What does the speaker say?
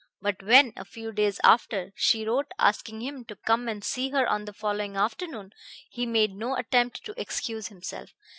But when, a few days after, she wrote asking him to come and see her on the following afternoon, he made no attempt to excuse himself.